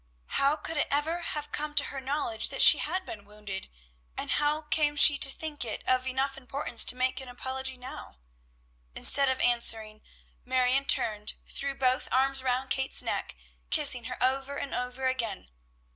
How could it ever have come to her knowledge that she had been wounded, and how came she to think it of enough importance to make an apology now. Instead of answering, Marion turned, threw both arms around Kate's neck, kissing her over and over again.